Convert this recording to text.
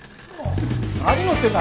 何乗ってんだ？